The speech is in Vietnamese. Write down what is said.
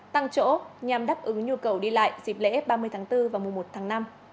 tăng chỗ nhằm đáp ứng nhu cầu đi lại dịp lễ ba mươi tháng bốn và mùa một tháng năm